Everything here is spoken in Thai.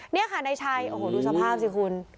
นี่ค่ะนายชัยโอ้โหดูสภาพสิคุณ